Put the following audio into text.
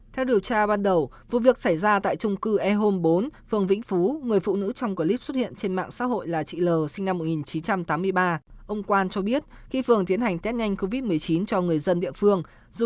theo điều tra ban đầu vụ việc xảy ra tại trung cư e home bốn phường vĩnh phú người phụ nữ trong clip xuất hiện trên mạng